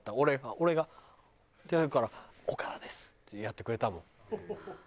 俺がってやるから「岡田です」ってやってくれたもん。